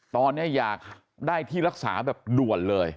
ตอนนี้อยากได้ที่รักษาแบบด่วนเลย